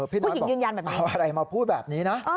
พี่น้อยเอาอะไรมาพูดแบบนี้นะ